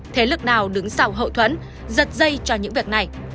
thế lực nào đứng sau hậu thuẫn giật dây cho những việc này